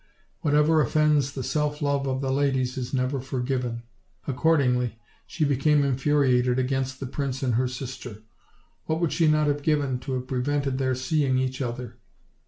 Whatever offends the self love of the ladies is never forgiven; accordingly, she became infuriated against the prince and her sister. "What would she not have given to have prevented their seeing each other!